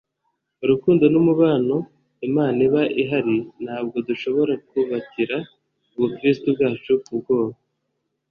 urukundo n'umubano imana iba ihari. ntabwo dushobora kubakira ubukristu bwacu ku bwoba